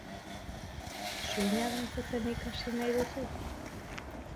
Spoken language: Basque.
Swinga dantzatzen ikasi duzu?